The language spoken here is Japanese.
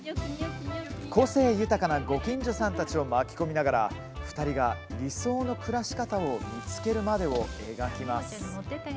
個性豊かなご近所さんたちを巻き込みながら２人が理想の暮らし方を見つけるまでを描きます。